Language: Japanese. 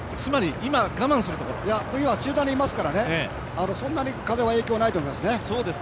今、集団にいますから、そんなに風の影響はないと思います。